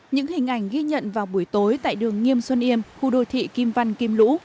những hình ảnh ghi nhận vào buổi tối tại đường nghiêm xuân yêm khu đô thị kim văn kim lũ